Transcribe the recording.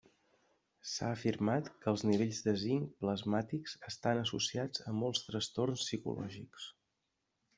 S'ha afirmat que els nivells de zinc plasmàtics estan associats a molts trastorns psicològics.